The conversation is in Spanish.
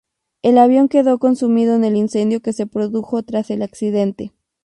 El avión quedó consumido en el incendio que se produjo tras el accidente.